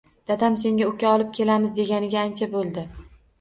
Dadam “Senga uka olib kelamiz”, deganiga ancha boʻldi